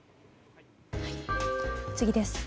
次です。